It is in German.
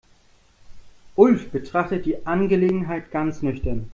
Ulf betrachtet die Angelegenheit ganz nüchtern.